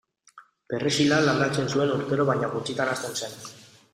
Perrexila landatzen zuen urtero baina gutxitan hazten zen.